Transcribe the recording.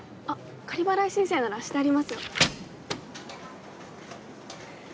仮払い申請ならしてありますよ。